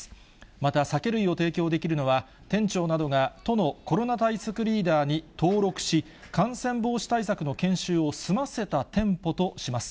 また酒類を提供できるのは、店長などが都のコロナ対策リーダーに登録し、感染防止対策の研修を済ませた店舗とします。